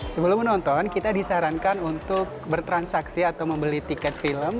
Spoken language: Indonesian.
sebelum menonton kita disarankan untuk bertransaksi atau membeli tiket film